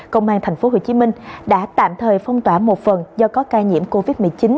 công an tp hcm đã tạm thời phong tỏa một phần do có ca nhiễm covid một mươi chín